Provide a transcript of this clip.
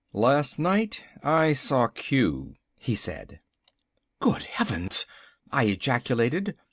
"Last night I saw Q," he said. "Good heavens!" I ejaculated.